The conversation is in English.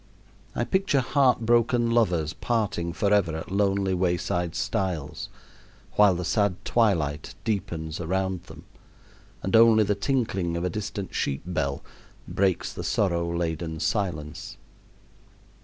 I picture heartbroken lovers parting forever at lonely wayside stiles, while the sad twilight deepens around them, and only the tinkling of a distant sheep bell breaks the sorrow laden silence.